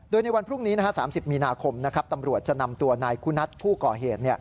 โดยในวันพรุ่งนี้๓๐มีนาคมตำรวจจะนำตัวนายคุณัทผู้ก่อเหตุ